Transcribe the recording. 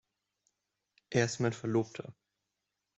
Er ist mein Verlobter.